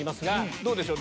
どうでしょう？